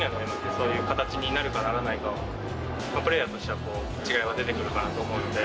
そういう形になるかならないかは、プレーヤーとしてはこう、違いは出てくるかなと思うんで。